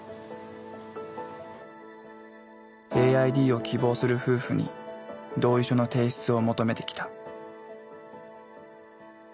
ＡＩＤを希望する夫婦に同意書の提出を求めてきた。